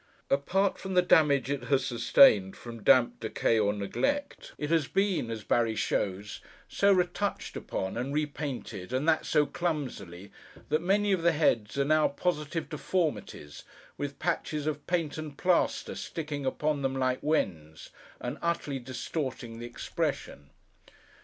Apart from the damage it has sustained from damp, decay, or neglect, it has been (as Barry shows) so retouched upon, and repainted, and that so clumsily, that many of the heads are, now, positive deformities, with patches of paint and plaster sticking upon them like wens, and utterly distorting the expression.